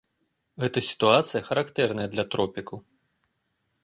Гэта сітуацыя характэрная для тропікаў.